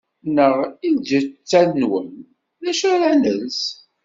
Neɣ i lǧetta-nwen: D acu ara nels?